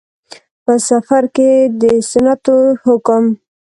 په. سفر کې د سنتو حکم